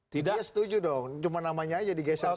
tidak setuju dong cuma namanya aja digeser